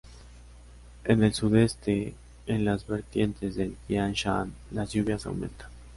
En el sudeste, en las vertientes del Tian Shan, las lluvias aumentan.